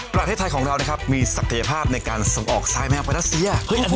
ประเทศไทยของเรามีศักยภาพในการเสียงออกไซน์แมวมาแล้วสิ